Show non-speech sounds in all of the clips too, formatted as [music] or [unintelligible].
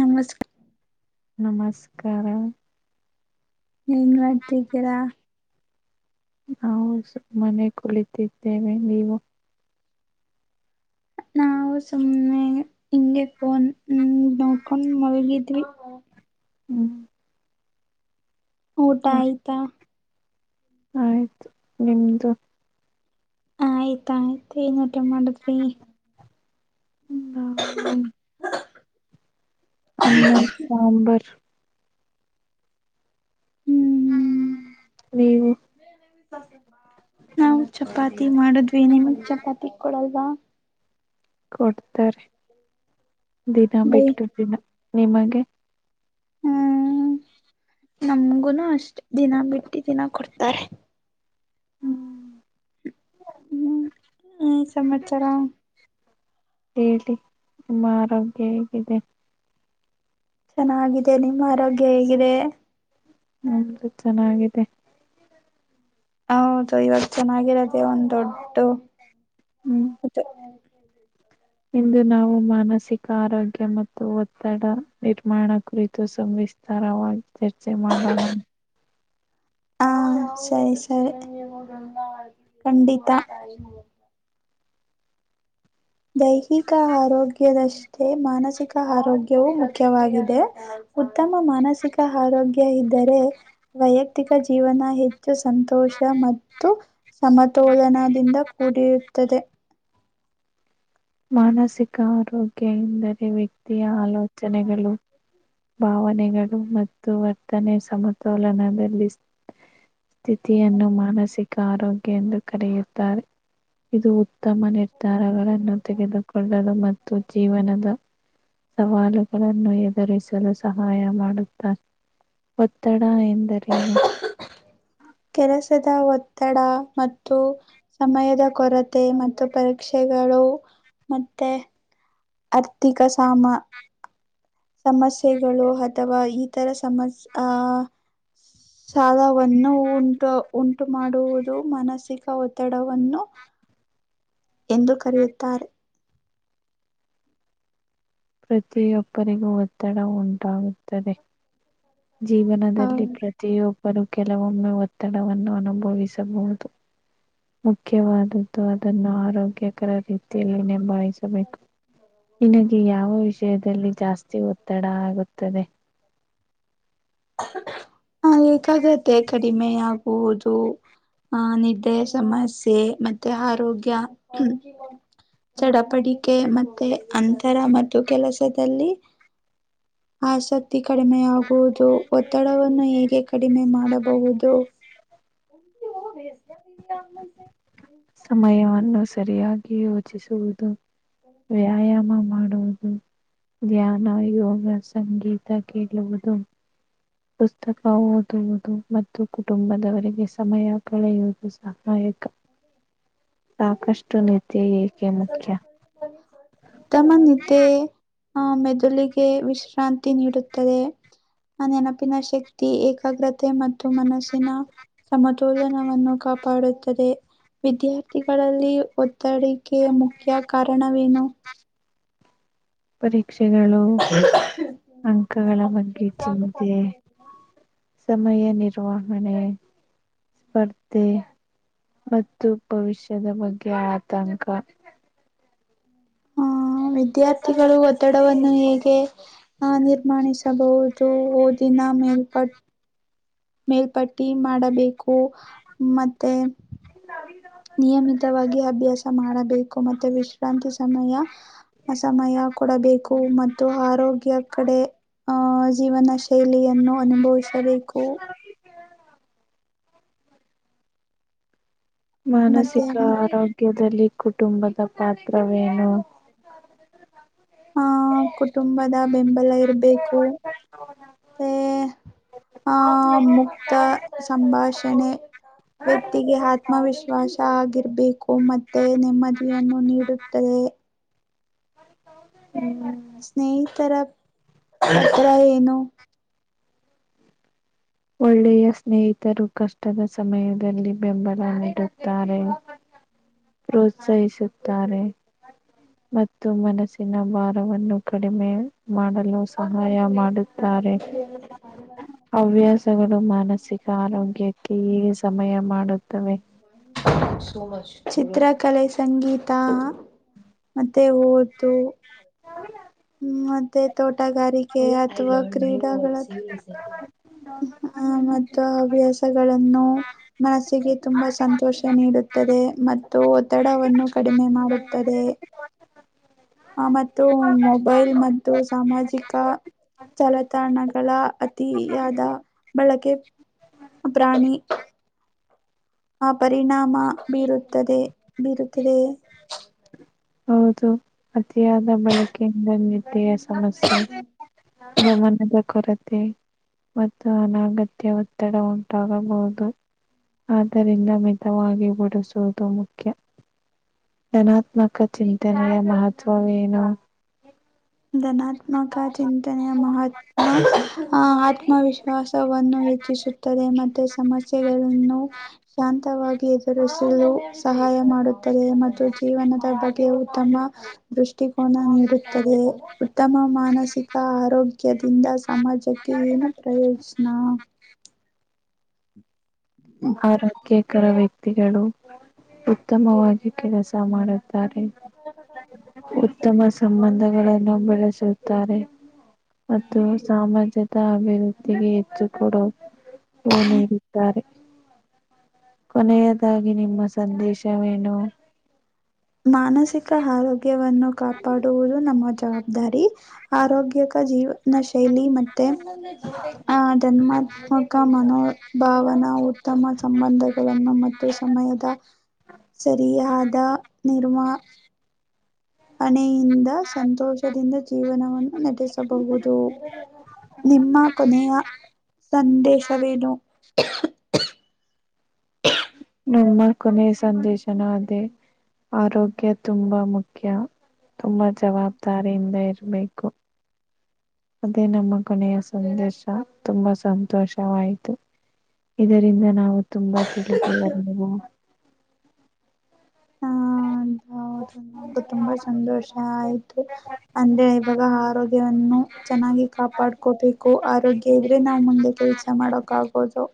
ನಮಸ್ಕಾರ ನಮಸ್ಕಾರಕಾರ ಎನ್ ಮಾಡುತ್ತಿದ್ದೀರಾ ನಾವು ಸುಮನೆ ಕುಳಿತಿದ್ದೇವೆ ನೀವು ನಾ [unintelligible] ನಾವು ಸುಮ್ಮನೆ ಹಿಂಗೆ ಫೋನ್ ನೋಡ್ಕೊಂಡ್ ಮಲಗಿದ್ವಿ ಹ್ಮ್ ಊಟ ಆಯ್ತಾ ಆಯ್ತು ನಿಮ್ದು ಆಯ್ತ ಆಯ್ತ ಎನೂಟ ಮಾಡದ್ರಿ ಹ [inaudible] ಅನ್ನ ಸಾಂಬರ್ ಹ್ಮ್ ನೀವು [inaudible] ನಾವು ಚಪಾತಿ ಮಾಡಿದ್ವಿ ನಿಮತ್ ಚಪಾತಿ ಕೊಡಲ್ವಾ ಕೊಡ್ತಾರೆ ದಿನ ಡೈ ಬಿಟ್ಟು ದಿನ ನಿಮಗೆ ಹ್ಮ್ ನಮ್ಗುನು ಅಷ್ಟ ದಿನ ಬಿಟ್ಟು ದಿನ ಕೊಡ್ತಾರೆ ಹ್ಮ್ ಹ್ಮ್ ಹ್ಮ ಸಮಾಚಾರ ಹೇಳಿ ನಿಮ್ಮ ಆರೋಗ್ಯ ಹೇಗಿದೆ ಚೆನ್ನಾಗಿದೆ ನಿಮ್ಮ ಆರೋಗ್ಯ ಹೇಗಿದೆ ಹು ಚೆನ್ನಾಗಿದೆ ಹೌದು ಇವಾಗ ಚೆನ್ನಾಗಿರದೆೇ ಒಂದ ದೊಡ್ಡ ಹ್ಮ್ [unintelligible] ಇಂದು ನಾವು ಮಾನಸಿಕ ಆರೋಗ್ಯ ಮತ್ತು ಒತ್ತಡ ನಿರ್ಮಾಣ ಕುರಿತು ಸಂ ಿಸ್ತಾರವಾಗಿ [unintelligible] ಚರ್ಚೆ ಮಾಡೋಣ ಹ ಸರಿ ಸರಿ ಕಂಡಿತಾ [inaudible] ದೈಹಿಕ ಆರೋಗ್ಯದಷ್ಟೇ ಮಾನಸಿಕ ಆರೋಗ್ಯವುೂ ಮುಖ್ಯವಾಗಿದೆ ಉತ್ತಮ ಮಾನಸಿಕ ಆರೋಗ್ಯ ಇದ್ದರೆ ವೈಯಕ್ತಿಕ ಜೀವನ ಹೆಚ್ಚು ಸಂತೋಷ ಮತ್ತು ಸಮತೋಲನದಿಂದ ಕೂಡಿರುತ್ತದೆ ಮಾನಸಿಕ ಆರೋಗ್ಯ ಎಂದರೆ ವ್ಯಕ್ತಿಯ ಆಲೋಚನೆಗಳು ಭಾವನೆಗಳು ಮತ್ತು ವರ್ತನೆ ಸಮತೋಲನದಲ್ಲಿ ಸ್ಥಿತಿಯನ್ನು ಮಾನಸಿಕ ಆರೋಗ್ಯ ಎಂದು ಕರೆಯುತ್ತಾರೆ ಇದು ಉತ್ತಮ ನಿರ್ಧಾರಗಳನ್ನು ತೆಗೆದುಕೊಳ್ಳಲು ಮತ್ತು ಜೀವನದ ಸವಾಲುಗಳು ಎದುರಿಸಲು ಸಹಾಯ ಮಾಡುತ್ತಾರೆ ಒತ್ತಡ ಎಂದರೆ ಕೆನ ಸ [unintelligible] ಒತ್ತಡ ಮತ್ತು ಸಮಯದ ಕೊರತೆ ಮತ್ತು ಪರೀಕ್ಷೆಗಳು ಮತ್ತೆ ಆರ್ಥಿಕ ಸಾಮ ಸಮಸ್ಯೆಗಳು ಅಥವಾ ಈ ತರ ಸಮಸ್ಯ ಆ ಸಾಲ ನ್ನು ಉಂಟು ಉಂಟು ಮಾಡುವುದು ಮನಸಿಕ ಒತ್ತಡವನ್ನು ಎಂದು ಕರೆಯುತ್ತಾರೆ ಪ್ರತಿಯೊಬ್ಬರಿಗೂ ಒತ್ತಡ ಉಂಟಾಗುತ್ತದೆ ಜೀವನದಲ್ಲಿ ಪ್ರತಿಯೊಬ್ಬರು ಕೆಲವೊಮ್ಮೆ ಒತ್ತಡವನ್ನು ಅನುಭವಿಸಬಹುದು ಮುಖ್ಯವದುದ್ದು ಅದು ನ್ನು ಆರೋಗ್ಯಕರ ರೀತಿಯಲ್ಲಿ ನಿಭಾಯಿಸಬೇಕು ನಿನಗೆ ಯಾವ ವಿಷಯದಲ್ಲಿ ಜಾಸ್ತಿ ಒತ್ತಡ ಆಗುತ್ತದೆ ಹ ಏಕಾಗತ್ತೆ ಕಡಿಮೆ ಆಗುವುದು ಆಹ ನಿದ್ದೆ ಸಮಸ್ಯೆ ಮತ್ತೆ ಆರೋಗ್ಯ್ಮ [inaudible] ಚಡಪಡಿಕೆ ಮತ್ತೆ ಅಂತರ ಮತ್ತು ಕೆಲಸದಲ್ಲಿ ಹಾ ಸತಿ ಕಡಿಮೆ ಯ ಹೌದು ಒತ್ತಡವನ್ನು ಹೇಗೆ ಕಡಿಮೆ ಮಾಡಬಹುದು ಭಜನಾ ನೀರಿ ಅಮಲ್ ಸಮಯವನ್ನು ಸರಿಯಾಗಿ ಯೋಚಿಸುವುದು ವ್ಯಾಯಾಮ ಮಾಡ ಧ್ಯಾನ ಯೋಗ ಸಂಗೀತ ಕೇಳುವುದು ಪುಸ್ತಕ ಓದುವುದು ಮತ್ತು ಕುಟುಂಬದವರಿಗೆ ಸಮಯ ಕಳೆಯುವುದು ಸಹಾಯಕ ಹ ಸಾಕಷ್ಟು ನಿದ್ದೆ ಏಕೆ ಮುಖ್ಯ ಉತ್ತಮ ಇತ್ತ ಆಹ ಮೆದುಳಿಗೆ ವಿಶ್ರಾಂತಿ ನೀಡುತ್ತದೆ ಆ ನೆನಪಿನ ಶಕ್ತಿ ಏಕಾಗ್ರತೆ ಮತ್ತು ಮನಸ್ಸಿನ ಸಮತೋಲನ ಕಾಪಾಡುತ್ತದೆ ವಿದ್ಯಾರ್ಥಿಗಳಲ್ಲಿ ಒ ಒತ್ತಡಿಕೆಯ ಮುಖ್ಯ ಕಾರಣವೇನು ಪರಿ ಪಕ್ಷೆಗಳು ಅಂಕಗಳ ಬಗ್ಗೆ ಚಿಂತೆ ಸಮಯ ನಿರ್ವಹಣೆ ಸ್ಪರ್ಧೆ ಮತ್ತು ಭವಿಷ್ಯದ ಬಗ್ಗೆ ಆತಂಕ ವ್ಯ ಒತ್ತಡವನ್ನು ಹೇಗೆ ನಿರ್ಮಾಣಿಸಬಹುದು ಓದಿನ ಮೇಲ್ಪಟ್ಟ ಮೇಲ್ಪಟ್ಟಿ ಮಾಡಬೇಕು ಮತ್ತೆ ಇಲ್ಲ ನಿಯಮಿತವಾಗಿ ಅಭ್ಯಾಸ ಮಾಡಬೇಕು ಮತ್ತೆ ವಿಶ್ರಾಂತಿ ಸಮಯ ಸಮಯ ಕೊಡಬೇಕು ಮತ್ತು ಆರೋಗ್ಯ ಕಡೆ ಆಹ ಜೀವನ ಶೈಲಿಯನ್ನು ಅನುಭವಿಸಬೇಕು ಮತ್ತೆ ಮಾನಸಿಕ ಆರೋಗ್ಯದಲ್ಲಿ ಕುಟುಂಬದ ಪಾತ್ರವೇ ಹ ಕುಟುಂಬದ ಬೆಂಬಲ ಇರ್ಬೇಕು ಆ ಮುಕ್ತ ಸಂಭಾಷಣೆ ವ್ಯಕ್ತಿಗೆ ಆತ್ಮವಿಶ್ವಾಸ ಆಗಿರ್ಬೇಕು ಮತ್ತೆ ನೆಮ್ಮದಿಯನ್ನು ನೀಡುತ್ತದೆ ಸ ಸ್ನೇಹಿತರರ ಏನು ಒಳ್ಳೆಯ ಸ್ನೇಹಿತರು ಕಷ್ಟದ ಸಮಯದಲ್ಲಿ ಬೆಂಬಲ ನೀಡುತ್ತಾರೆ ಪ್ರೋತ್ಸಾಹಿಸುತ್ತಾರೆ ಮತ್ತು ಮನಸ್ಸಿನ ಭಾರವನ್ನು ಕಡಿಮೆ ಮಾಡಲು ಸಹ ಸಹಾಯ ಮಾಡುತ್ತಾರೆ ಹವ್ಯಾಸ ಮಾನಸಿಕ ಆರೋಗ್ಯಕ್ಕೆ ಈಗೆ ಸಮಯ ಮಾಡುತ್ತ ಚಿತ್ರಕಲೆ ಸಂಗೀತ ಮತ್ತೆ ಓತು ನಾವಲ್ಲ ಮತ್ತೆ ತೋಟಗಾರಿಕೆ ಅಥವಾ ಕ್ರೀಡಳ ಹ ಮತ್ತು ಹವ್ಯಾಸಗಳನ್ನು ಮನಸ್ಸಿಗೆ ತುಂಬಾ ಸಂತೋಷ ನೀಡುತ್ತೆ ಮತ್ತು ಒತ್ತಡವನ್ನು ಕಡಿಮೆ ಮಾಡುತ್ತದೆ ಆ ಮತ್ತು ಮೊಬೈಲ್ ಮತ್ತು ಸಾಮಾಜಿಕ ಜಾಲತಾಣಗಳ ಅತಿಯಾದ ಬಳಕೆ ಅ ಪ್ರಾಣಿ ಆ ಪರಿಣಾಮ ಬೀರುತ್ತದೆ ಬೀರುತ್ತದೆಯೇ ಹೌದು ಅತಿಯಾದ ಬಳಕೆಯಿಂದ ನಿದ್ದ ಕಸ ದಮನದ ಕ ಮತ್ತು ಅನಗತ್ಯ ಒತ್ತಡ ಉಂಟಾಗಬಹುದು ಆದ್ದರಿಂದ ಮಿತವಾಗಿ ಬಿಡಿಸುವುದು ಮುಖ್ಯ ಧನಾತ್ಮಕ ಚಿಂತನೆಯ ಮಹತ್ವವೇನು ಧನಾತ್ಮಕ ಚಿಂತನೆಯ ಮಹಾತ್ ಆತ್ಮವಿಶ್ವಾಸವನ್ನು ಹೆಚ್ಚು ುತ್ತದೆ ಮತ್ತೆ ಸಮಸ್ಯೆಗಳನ್ನು ಶಾಂತವಾಗಿ ಎರಿಸಲು ಸಹಾಯ ಮಾಡುತ್ತ ಮತ್ತು ಜೀವನದ ಬಗ್ಗೆ ಉತ್ತಮ ದೃಷ್ಟಿಕೋನ ನೀಡುತ್ತದೆ ಉತ್ತಮ ಮಾನಸಿಕ ಆರೋಗ್ಯದಿಂದ ಸಮಾಜಕ್ಕೆ ಏನು ಪ್ರಯೋಜನ ಆರೋಗ್ಯಕರ ವ್ಯಕ್ತಿಗಳು ಉತ್ತಮವಾಗಿ ಕೆಲಸ ಮಾಡುತ್ತಾರೆ ಉತ್ತಮ ಸಂಬಂಧ ಗಳನ್ನು ಬೆಳೆಸುತ್ತಾರೆ ಮತ್ತು ಸಮಾಜದ ಅಭಿವೃದ್ಧಿಗೆ ಹೆಚ್ಚು ಕೊಡುವುದು ಹ ನೀ ವಿ ಸಾರೆ ಕೊನೆಯದಾಗಿ ನಿಮ್ಮ ಸಂದೇಶವೇನು ಮಾನಸಿಕ ಆರೋಗ್ಯವನ್ನು ಕಾಪಾಡುವುದು ನಮ್ಮ ಜವಾಬ್ದಾರಿ ಆರೋಗ್ಯಕ ಜೀವ ನ ಶೈಲಿ ಮತ್ತೆ ಆ ಧರ್ಮತ್ಮಕ ಮನೋಭಾವನಾ ಉತ್ತಮ ಸಂಬಂಧಗಳನ್ನು ಮತ್ತು ಸಮಯದ ಸರಿಯಾದ ನಿರ್ಮ ಹಣೆಯಿಂದ ಸಂತೋಷದಿಂದ ಜೀವನವನ್ನು ನಟಸಬಹುದು ನಿಮ್ಮ ಕೊನೆಯ ಸಂದೇಶವೇನು ನ ಮಕೊಮ್ಮೇ ಸಂದೇಶನ ಅದದೆ ಆರೋಗ್ಯ ತುಂಬಾ ಮುಖ್ಯ ತುಂಬಾ ಜವಾಬ್ದಾರಿಯಿಂದ ಇರ್ಬೇಕು ಅದೇ ನಮ್ಮ ಕೊನೆಯ ಸಂದರ್ಶ ತುಂಬಾ ಸಂತೋಷವಾಯಿತು ಇದರಿಂದ ನಾವು ತುಂಬಾ ತಿಳಿದ ಬವು [inaudible] ಹ ನು ತುಂಬಾ ಸಂತೋಷ ಆಯ್ತು ಅಂದ್ರೆ ಇವಾಗ ಆರೋಗ್ಯವನ್ನು ಚೆನ್ನಾಗಿ ಕಾಪಾಡ್ಕೋಬೇಕು ಆರೋಗ್ಯ ಇದ್ರೆ ನಾ್ ಮುಂದೆ ಕೆಲ್ಸ ಮಾಡಕ್ ಆಗೋದು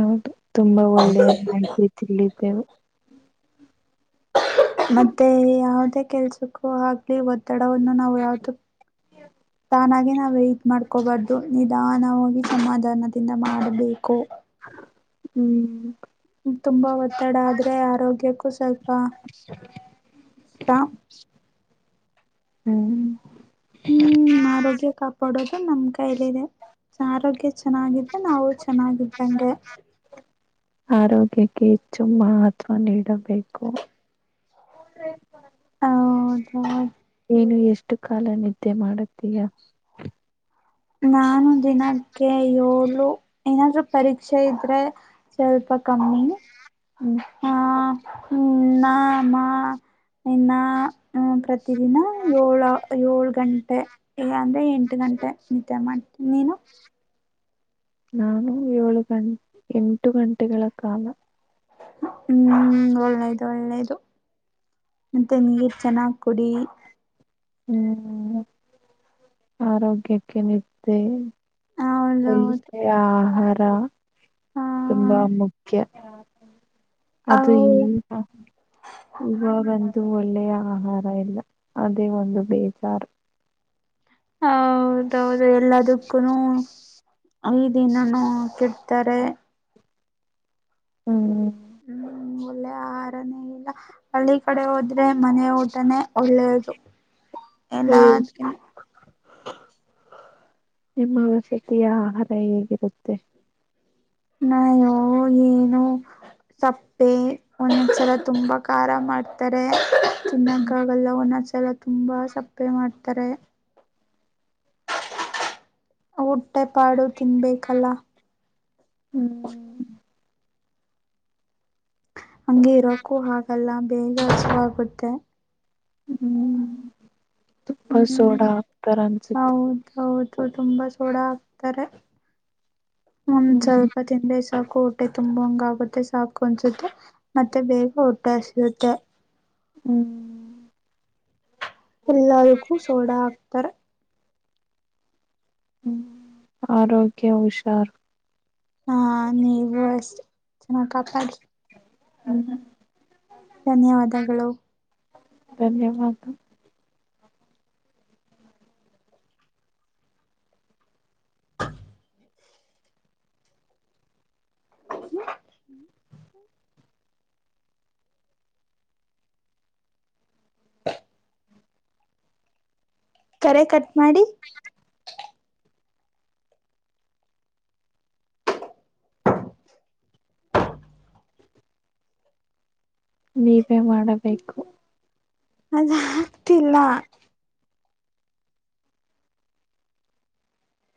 ಹೌದು ತುಂಬಾ ಒಳ್ಳೆ ಮಾಹಿತಿ ತಿಳಿದ್ದೆವು ಮತ್ತೆ ಯಾವುದೇ ಕೆಲ್ಸಕ್ಕೂ ಆಗ್ಲಿ ಒ ವನ್ನು ನಾವು ಯ ನ ವೇ್ಟಟ್ ಮಾಡ್ಕೋಬಾರ್ದು ನಿಧಾನವಾಗಿ ಸಮಾಧಾನದಿಂದ ಮಾಡಬೇಕು ಹ್ಮ್ ತುಂಬಾ ಒತ್ತಡ ಆದ್ರೆ ಆರೋಗ್ಯಕ್ಕೂ ಸ್ವಲ್ಪ ಇತ ಹ್ಮ್ ಹ್ಮ್ ಆರೋಗ್ಯ ಕಾಪಾಡೋದು ನಮ್ ಕೈಲಿದೆ ಆರೋಗ್ಯ ಚೆನ್ನಾಗಿದ್ರೆ ನಾವು ಚೆನ್ನಾಗಿದ್ದಂಗೆ ಆರೋಗ್ಯಕ್ಕೆ ಹೆಚ್ಚು ಮಹತ್ವ ನೀಡಬೇಕು ಹೌದು ಏನು ಎಷ್ಟು ಎಷ್ಟು ಕಾಲ ನಿದ್ದೆ ಮಾಡುತ್ತೀಯಾ ನಾನು ದಿನಕ್ಕೆ ಏಳು ಏನಾದ್ರು ಪರೀಕ್ಷೆ ಇದ್ರೆ ಸ್ವಲ್ಪ ಕಮ್ಮಿ ಹ್ಮ್ ಹ ಹ್ಮ ನ ಅಮ್ಮ ಇ ಹ್ಮ ಪ್ರತ ದಿನ ಏಳು ಏಳು ಗಂಟೆ ಅಂದ್ರೆ ಎಂಟು ಗಂಟೆ ಮತ್ಯ ಮಾಡ ನೀೇನು ನಾನು ಏಳು ಗಂ ಎಂಟು ಗಂಟೆಗಳ ಕಾಲ ಹ್ಮ್ ಒಳ್ಳೇದು ಒಳ್ಳೇದು ಮತ್ತೆ ನೀರ್ ಚೆನ್ನಾಗ್ ಕುಡಿ ಹ್ಮ್ ಆರೋಗ್ಯಕ್ಕೆ ನಿದ್ದೆ ಹೌದೌದು ಹ ಆಹಾರ ಹ ತುಂಬಾ ಮುಖ್ಯ ಅದು ಇ ಹೌದು ಇವಾಗ ಇದು ಒಳ್ಳೆಯ ಆಹಾರ ಇಲ್ಲ ಅದೇ ಒಂದು ಬೇಜಾರು ಹೌದೌದು ಎಲ್ಲದು ಕ್ಕ ಈ ದನನು ಕೆಡ್ತಾರೆ ಹ್ಮ್ ಹ್ಮ್ ಒಳ್ಳೆ ಆಹಾರಾನೇ ಇಲ್ಲ ಹಳ್ಳಿ ಕಡೆ ಹೋದ್ರೆ ಮನೆ ತಾನೆ ಒಳ್ಳೆಯದು ಹ್ಮ್ ನಿಮ್ಮ ವಸ್ಯತಿಯ ಆಹಾರ ಹೇಗಿರುತ್ತೆ ನಾಯೋ ಏನು ಸಪ್ಪೆ ಒಂದೊಂದ್ಸಲ ತುಂಬಾ ಖಾರ ಮಾಡ್ತಾರೆ ಹ್ಮ್ ತಿನ್ನಕ್ಕಾಗಲ್ಲ ಒಣಸ ಎಲ್ಲ ತುಂಬಾ ಸಪ್ಪೆ ಮಾಡ್ತಾರೆ ಊಟ್ಟೆ ಪಾಡು ತಿನ್ಬೇಕಲ್ಲ ಹ್ಮ್ ಹಂಗೆ ಇರೋಕ್ಕೂ ಹಾಗಲ್ಲ ಬೇಗ ಹಸು ಆಗುತ್ತೆ ಹ್ಮ್ ತುಪ್ಪ ಹ್ಮ್ ಸೋಡಾ ಆಗ್ತರ ಅನ್ಸುತ್ತೆ ಹೌದೌದು ತುಂಬಾ ಸೋಡ ಹಾಕ್ತಾರೆ ಒಂದ್ ಹ್ಮ್ ಸ್ವಲ್ಪ ತಿಂಡ ಸಾಕು ಹೊಟೆ ತುಂಬ ಹಂಗ ಆಗುತ್ತೆ ಸಾಕು ಅನ್ಸುತ್ತೆ ಮತ್ತೆ ಬೇಗ ಹೊಟ್ಟೆ ಹ ಸಿಯುತ್ತೆ ಹ್ಮ್ ಎಲ್ಲದಕ್ಕೂ ಸೋಡಾ ಹಕ್ತಾರೆ ಆರೋಗ್ಯ ಹುಷಾರ್ ಹಾ ನೀವು ಎಷ್ಟ ಚೆನ್ನಾಗಿ ಕಾತಾಡಿ ಹ್ಮ ಹ ಧನ್ಯವಾದಗಳು ಧನ್ಯವಾದ ಕರೆ ಕಟ್ ಮಾಡಿ ನೀವೇ ಮಾಡಬೇಕು ಅದಾಗಗ್ತಿಲ್ಲ